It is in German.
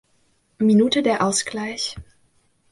Minute der Ausgleich.